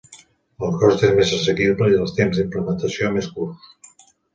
El cost és més assequible i els temps d'implementació més curts.